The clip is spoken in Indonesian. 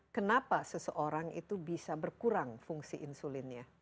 kenapa seseorang itu bisa berkurang fungsi insulinnya